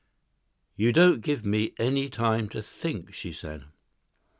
"You don't give me any time to think," she said.